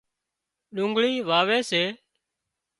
ڏوڳۯي واوي سي